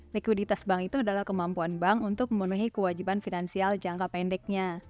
likuiditas bank itu adalah kemampuan bank untuk memenuhi kewajiban finansial jangka pendeknya